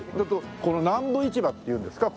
南部市場っていうんですか？